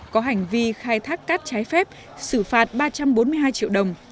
có hành vi khai thác cát trái phép xử phạt ba trăm bốn mươi hai triệu đồng